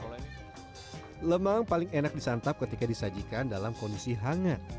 lemang paling enak disantap ketika disajikan dalam kondisi hangat